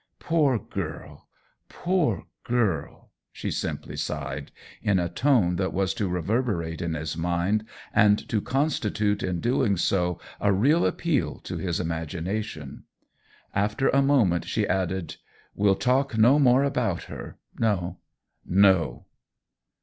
" Poor girl — poor girl !" she simply sighed, in a tone that was to reverberate in his mind and to constitute in doing so a real appeal to his imagination. After a moment she add ed :" We'll talk no more about her — no, no